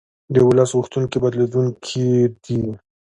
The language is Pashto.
د ولس غوښتنې بدلېدونکې دي